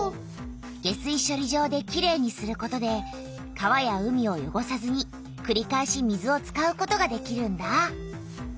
下水しょり場できれいにすることで川や海をよごさずにくりかえし水を使うことができるんだ。